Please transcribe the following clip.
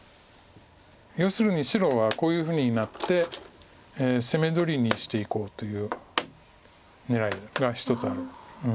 要するに白はこういうふうになって攻め取りにしていこうという狙いが一つある。